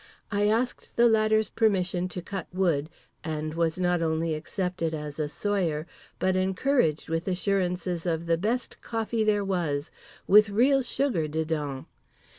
I asked the latter's permission to cut wood, and was not only accepted as a sawyer, but encouraged with assurances of the best coffee there was, with real sugar dedans.